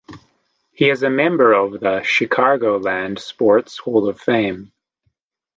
He is a member of the Chicagoland Sports Hall of Fame.